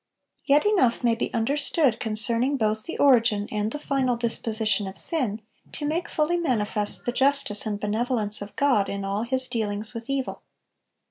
Yet enough may be understood concerning both the origin and the final disposition of sin, to make fully manifest the justice and benevolence of God in all His dealings with evil.